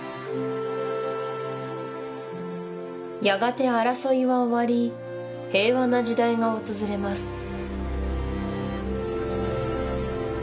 やがて争いは終わり平和な時代が訪れます